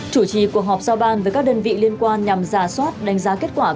chủ trì cuộc họp giao ban với các đơn vị liên quan nhằm giả soát đánh giá kết quả